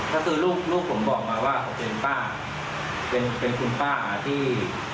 แต่ทำไมนิสัยไม่ดี